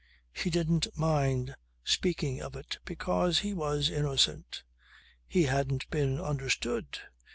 She didn't mind speaking of it because he was innocent. He hadn't been understood.